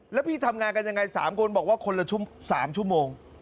แล้วพี่ทำงานกันยังไง๓คนบอกว่าคนละ๓ชั่วโมง